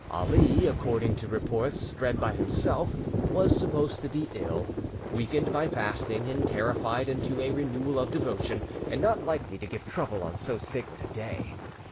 Ali, according to reports spread by himself, was supposed to be ill, weakened by fasting, and terrified into a renewal of devotion, and not likely to give trouble on so sacred a day.